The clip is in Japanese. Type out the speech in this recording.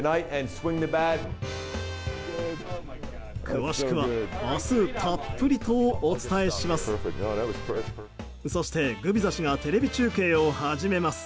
詳しくは、明日たっぷりとお伝えします。